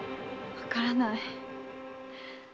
わからない！